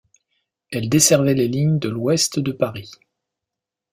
Elles desservaient les lignes de l'ouest de Paris.